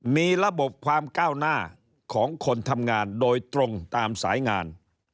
มีระบบความก้าวหน้าของคนทำงานโดยตรงตามสายงาน